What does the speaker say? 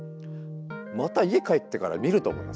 また家帰ってから見ると思います